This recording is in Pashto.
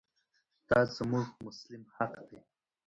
دا زموږ مسلم حق دی.